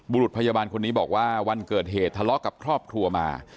บุรุษพยาบาลคนนี้บอกว่าวันเกิดเหตุทะเลาะกับครอบครัวมา